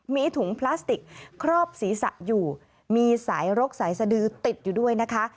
มีถุงพลาสติกครอบศีรษะอยู่มีสายรกสายสดือติดอยู่ด้วยนะคะ